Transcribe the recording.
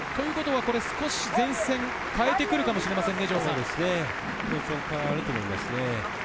少し前線変えてくるかもしれませんね。